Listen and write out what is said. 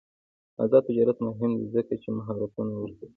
آزاد تجارت مهم دی ځکه چې مهارتونه ورکوي.